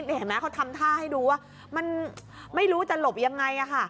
เห็นไหมเขาทำท่าให้ดูว่ามันไม่รู้จะหลบยังไง